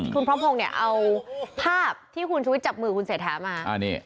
คุณพร้อมพงศ์เนี่ยเอาภาพที่คุณชุวิตจับมือคุณเศรษฐามา